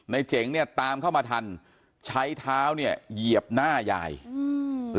เจ๋งเนี่ยตามเข้ามาทันใช้เท้าเนี่ยเหยียบหน้ายายอืม